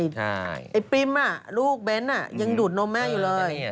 ใช่ไอปริ้มอ่ะลูกเบ้นน่ะยังดูดนมแม่อยู่เลย